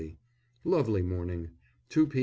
Lovely morning. Two p.